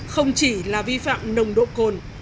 không chỉ là vi phạm lồng độ cồn